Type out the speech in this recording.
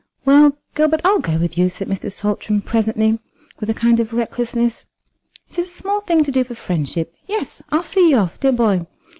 "Well, Gilbert, I'll go with you," said Mr. Saltram presently with a kind of recklessness. "It is a small thing to do for friendship. Yes, I'll see you off, dear boy.